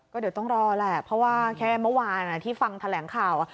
ก็ต้องรอแหล่ะเพราะว่าแค่เมื่อทีที่ฟังแถลงข่าว